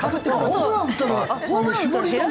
ホームラン打ったら絞りの。